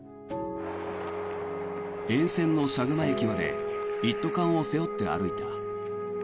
沿線の舎熊駅まで一斗缶を背負って歩いた。